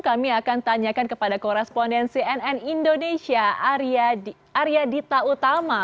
kami akan tanyakan kepada korespondensi nn indonesia arya dita utama